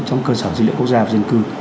trong cơ sở dữ liệu quốc gia và dân cư